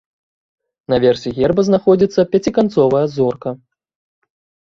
Наверсе герба знаходзіцца пяціканцовая зорка.